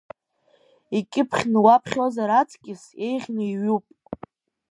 Икьыԥхьны уаԥхьозар аҵкьыс еиӷьны иҩуп.